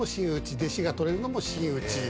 弟子が取れるのも真打。